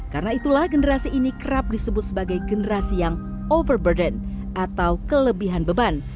karena itulah generasi ini kerap disebut sebagai generasi yang overburden atau kelebihan beban